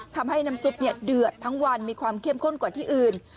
ทำให้น้ำซุปเดือดทั้งวันมีความเข้มข้นกว่าที่อื่น